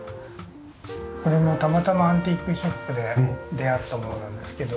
これもたまたまアンティークショップで出会ったものなんですけど。